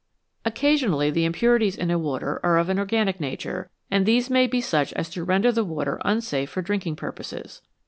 Occasionally the impurities in a water are of an organic nature, and these may be such as to render the water unsafe for drinking purposes.